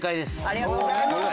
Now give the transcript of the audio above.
ありがとうございます。